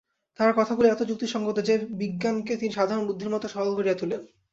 তাঁহার কথাগুলি এত যুক্তিসঙ্গত যে, বিজ্ঞানকে তিনি সাধারণ বুদ্ধির মত সরল করিয়া তুলেন।